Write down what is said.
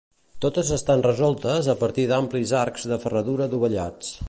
Totes estan resoltes a partir d'amplis arcs de ferradura dovellats.